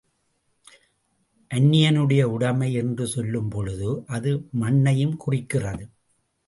அன்னியனுடைய உடைமை என்று சொல்லும் பொழுது, அது மண்ணையும் குறிக்கிறது.